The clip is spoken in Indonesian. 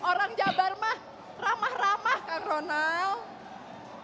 orang jabarmah ramah ramah kak ronald